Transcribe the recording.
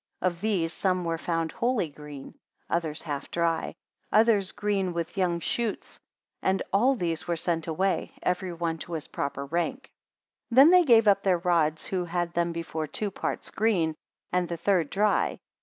Of these some were found wholly green, others half dry: others green, with young shoots. And all these were sent away, every one to his proper rank. 41 Then they gave up their rods, who had them before two parts green, and the third dry.